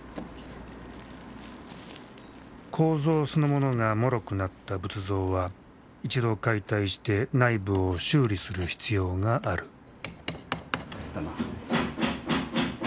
構造そのものがもろくなった仏像は一度解体して内部を修理する必要がある。